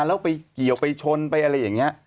แล้วไปเกี่ยวไปชนไปอะไรอย่างนี้